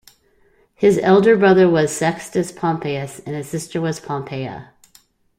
His elder brother was Sextus Pompeius and his sister was Pompeia.